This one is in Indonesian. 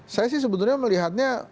saya sih sebetulnya melihatnya